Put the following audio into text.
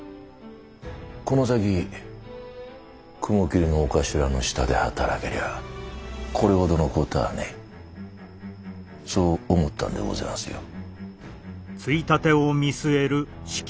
この先雲霧のお頭の下で働けりゃこれほどの事はねえ。そう思ったんでごぜえますよ。